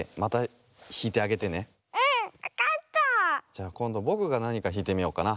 じゃこんどぼくがなにかひいてみようかな。